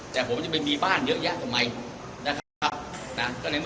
แต่ผมจะไปมีบ้านเยอะยะทำไมในเมื่อผมจะไปสร้างความที่สายเข็ดอยู่แล้ว